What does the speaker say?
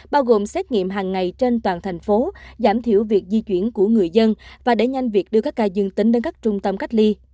bao gồm xét nghiệm hàng ngày trên toàn thành phố giảm thiểu việc di chuyển của người dân và đẩy nhanh việc đưa các ca dương tính đến các trung tâm cách ly